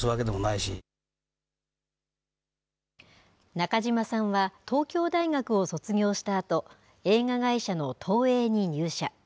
中島さんは東京大学を卒業したあと映画会社の東映に入社。